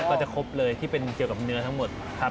ก็จะครบเลยที่เป็นเกี่ยวกับเนื้อทั้งหมดครับ